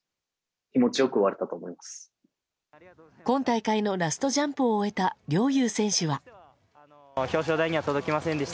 今大会のラストジャンプを終えた陵侑選手は。